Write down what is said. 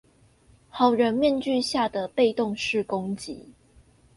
好人面具下的被動式攻擊